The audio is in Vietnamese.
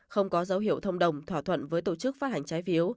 không có dấu hiệu thông đồng thỏa thuận với tổ chức phát hành trái phiếu